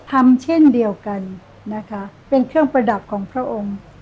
ทำเช่นเดียวกันนะคะเป็นเครื่องประดับของพระองค์